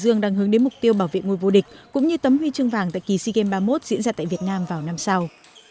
hải dương đang hướng đến mục tiêu bảo vệ ngôi vô địch cũng như tấm huy chương vàng tại kỳ sea games ba mươi một diễn ra tại việt nam vào năm sau